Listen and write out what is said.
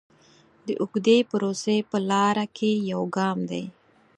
د اوږدې پروسې په لاره کې یو ګام دی.